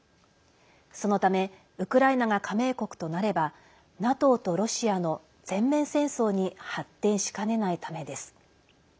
そのためウクライナが加盟国となればＮＡＴＯとロシアの全面戦争に発展しかねないためです。